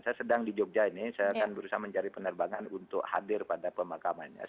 saya sedang di jogja ini saya akan berusaha mencari penerbangan untuk hadir pada pemakamannya